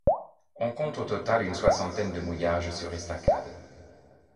On compte au total une soixantaine de mouillages sur estacades.